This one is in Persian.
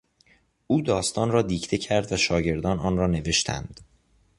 او داستان را دیکته کرد و شاگردان آن را نوشتند.